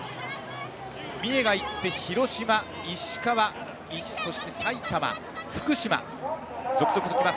三重が行って広島、石川そして埼玉福島など、続々と来ます。